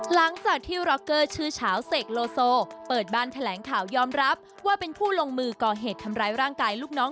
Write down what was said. หลังจากที่ร็อกเกอร์ชื่อเฉาเสกโลโซเปิดบ้านแถลงข่าวยอมรับว่าเป็นผู้ลงมือก่อเหตุทำร้ายร่างกายลูกน้อง